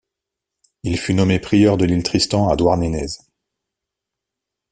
Il fut nommé prieur de l'Île Tristan, à Douarnenez.